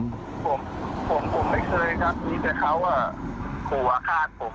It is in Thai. ผมผมไม่เคยครับมีแต่เขาขู่อาฆาตผม